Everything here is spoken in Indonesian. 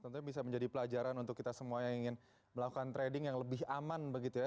tentunya bisa menjadi pelajaran untuk kita semua yang ingin melakukan trading yang lebih aman begitu ya